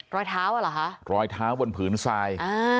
รอยเท้าอ่ะเหรอคะรอยเท้าบนผืนทรายอ่า